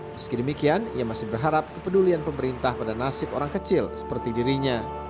meski demikian ia masih berharap kepedulian pemerintah pada nasib orang kecil seperti dirinya